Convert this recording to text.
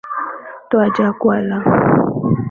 Twaja kula.